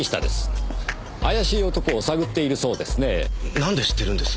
なんで知ってるんです？